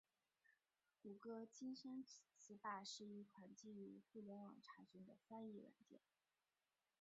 谷歌金山词霸是一款基于互联网查询的翻译软件。